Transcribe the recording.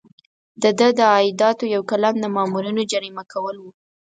د ده د عایداتو یو قلم د مامورینو جریمه کول وو.